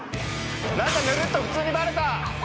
何かぬるっと普通にバレた。